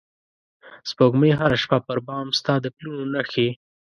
سپوږمۍ هره شپه پر بام ستا د پلونو نښې